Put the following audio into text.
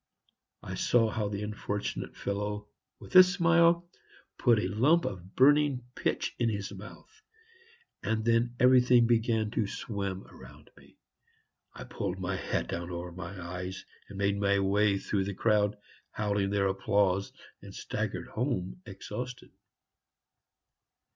I saw how the unfortunate fellow with a smile put a lump of burning pitch in his mouth, and then everything began to swim around me. I pulled my hat down over my eyes, made my way through the crowd howling their applause, and staggered home exhausted.